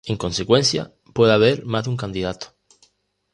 En consecuencia, puede haber más de un candidato.